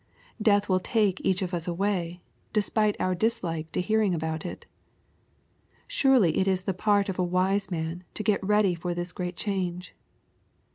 Death will take each of us away, despite our dislike to hearing about it. Surely it is the part of a wise man to get ready for this great change.